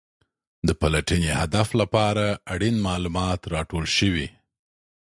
د پلټنې هدف لپاره اړین معلومات راټول شوي.